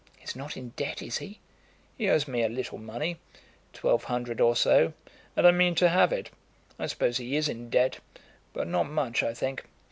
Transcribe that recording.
"He's not in debt, is he?" "He owes me a little money, twelve hundred or so, and I mean to have it. I suppose he is in debt, but not much, I think.